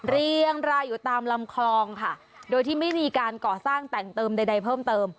เรียงรายอยู่ตามลำคลองค่ะโดยที่ไม่มีการก่อสร้างแต่งเติมใดเพิ่มเติม